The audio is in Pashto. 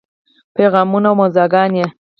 پیغامونه او موضوعګانې: